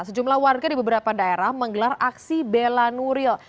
sejumlah warga di beberapa daerah menggelar aksi bela nuril